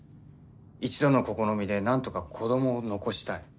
一度の試みでなんとか子どもを残したい。